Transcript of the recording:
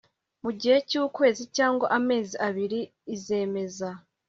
mu gihe cyukwezi cyangwa amezi abiri izemeza